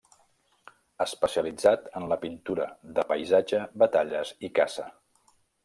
Especialitzat en la pintura de paisatge, batalles i caça.